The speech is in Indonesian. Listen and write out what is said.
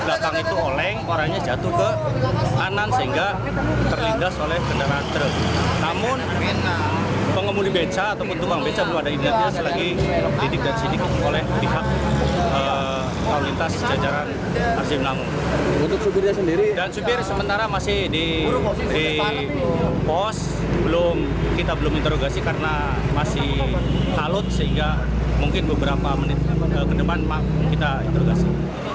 dan supir sementara masih di pos kita belum interogasi karena masih kalut sehingga mungkin beberapa menit ke depan kita interogasi